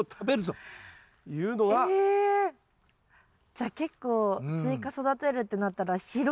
じゃあ結構スイカ育てるってなったら広い。